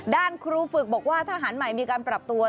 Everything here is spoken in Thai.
ครูฝึกบอกว่าทหารใหม่มีการปรับตัว